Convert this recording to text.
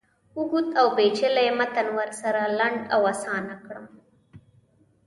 اوږد اوپیچلی متن ورسره لنډ او آسانه کړم.